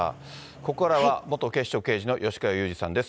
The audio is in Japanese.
ここからは、元警視庁刑事の吉川祐二さんです。